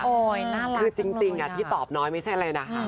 โอ้ยน่ารักจริงอ่ะที่ตอบน้อยไม่ใช่อะไรนะฮะ